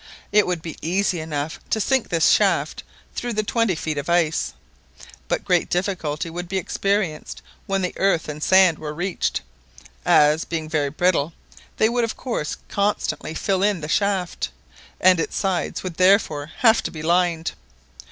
It would be easy enough to sink this shaft through the twenty feet of ice; but great difficulty would be experienced when the earth and sand were reached, as, being very brittle, they would of course constantly fill in the shaft, and its sides would therefore have to be lined.